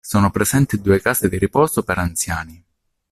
Sono presenti due case di riposo per anziani.